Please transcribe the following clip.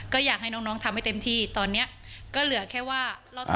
ก็อยากให้น้องทำให้เต็มที่ตอนนี้ก็เหลือแค่ว่า